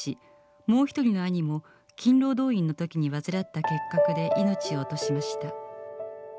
もう一人の兄も勤労動員の時に患った結核で命を落としました。